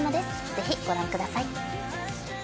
ぜひご覧ください。